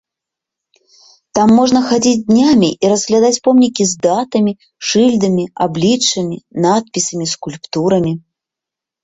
Там можна хадзіць днямі і разглядаць помнікі з датамі, шыльдамі, абліччамі, надпісамі, скульптурамі.